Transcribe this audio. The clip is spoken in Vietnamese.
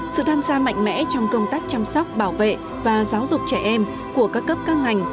sự tham gia mạnh mẽ trong công tác chăm sóc bảo vệ và giáo dục trẻ em của các cấp các ngành